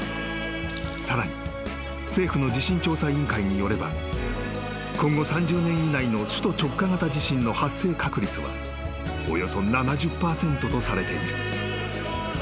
［さらに政府の地震調査委員会によれば今後３０年以内の首都直下型地震の発生確率はおよそ７０％とされている］